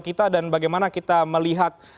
kita dan bagaimana kita melihat